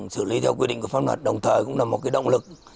xử lý theo quy định của pháp luật đồng thời cũng là một động lực